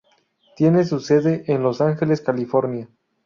Tiene su sede en Los Ángeles, California.